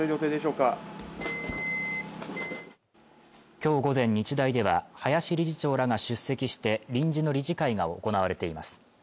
きょう午前日大では林理事長らが出席して臨時の理事会が行われています